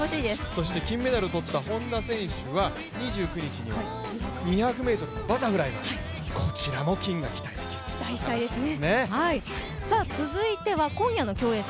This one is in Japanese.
そして金メダル取った本多選手が２９日にも２００ｍのバタフライ、こちらも金が期待できますね。